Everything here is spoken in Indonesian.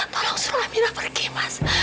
tolong suruh amira pergi mas